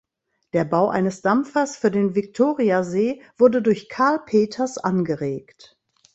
Der Bau eines Dampfers für den Viktoriasee wurde durch Carl Peters angeregt.